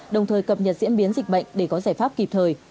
đồng thời cập nhật diễn biến dịch bệnh để có giải pháp kịp thời